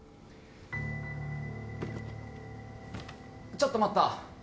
・ちょっと待った。